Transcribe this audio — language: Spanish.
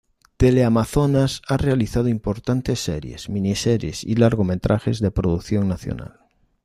Teleamazonas ha realizado importantes series, miniseries y largometrajes de producción nacional.